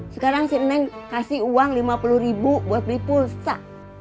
sekarang si neng kasih uang lima puluh ribu buat beli pulsa